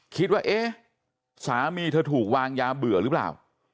คิดว่าเอ๊ะสามีเธอถูกวางยาเบื่อหรือเปล่า